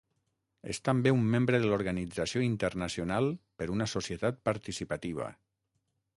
És també un membre de l'Organització Internacional per una Societat Participativa.